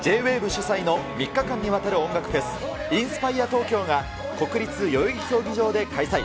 ＷＡＶＥ主催の３日間にわたる音楽フェス、インスパイアトーキョーが国立代々木競技場で開催。